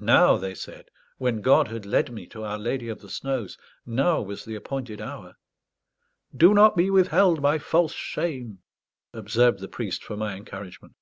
Now, they said, when God had led me to Our Lady of the Snows, now was the appointed hour. "Do not be withheld by false shame," observed the priest, for my encouragement.